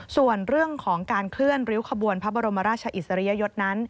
ส่วนเรื่องของการเคลื่อนริ้วขบวนพระบรมราชอิสริยยศนั้น